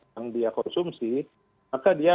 yang dia konsumsi maka dia